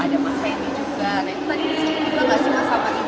ada pak bapak cikgu ada mas hei ini juga